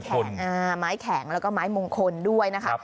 ใช่และไม้แข็งแล้วก็ม้ายมงคลด้วยนะคะ